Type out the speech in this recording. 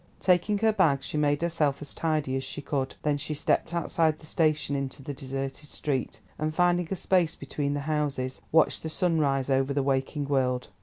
Taking her bag, she made herself as tidy as she could. Then she stepped outside the station into the deserted street, and finding a space between the houses, watched the sun rise over the waking world.